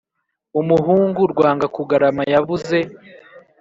Umuhungu Rwanga kugarama yabuze